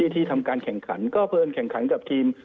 ที่ทำการแข่งขันก็เพลินแข่งขันกับทีม